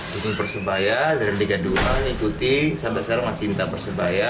dukung persebaya dari tiga dua an ikuti sampai sekarang masih cinta persebaya